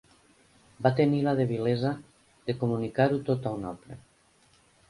Va tenir la debilesa de comunicar-ho tot a un altre.